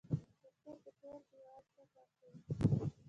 د سترګو تور دیوال څه کار کوي؟